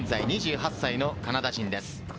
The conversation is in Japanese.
現在、２８歳のカナダ人です。